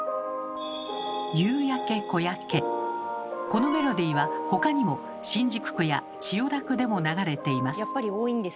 このメロディーは他にも新宿区や千代田区でも流れています。